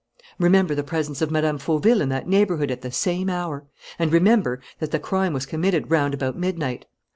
Remember the presence of Mme. Fauville in that neighbourhood at the same hour. And remember that the crime was committed round about midnight.